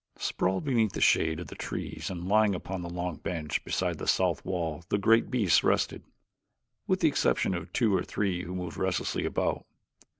Sprawled beneath the shade of the trees and lying upon the long bench beside the south wall the great beasts rested, with the exception of two or three who moved restlessly about.